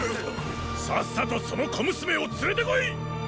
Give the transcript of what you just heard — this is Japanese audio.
さっさとその小娘を連れてこい！